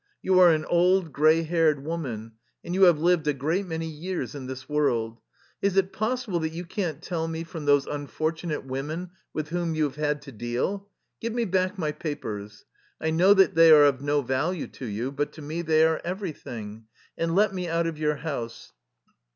You are an old, gray haired woman, and you have lived a great many years in this world. Is it possible that you can't tell me from those unfortunate women with whom you have had to deal ? Give me back my papers. I know that they are of no value to you, but to me they are everything. And let me out of your house."